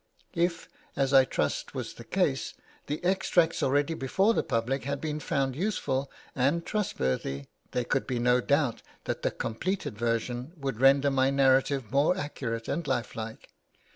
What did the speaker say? If, as I trust was the case, the extracts already before the public had been found useful and trustworthy, there could be no doubt that the completed version would render my narrative more accurate and lifelike.